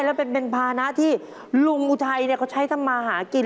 แล้วเป็นภานะที่ลุงอุทัยเขาใช้ทำมาหากิน